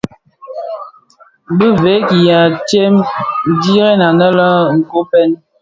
Bi veg i ateghèn diren aně le Koppen,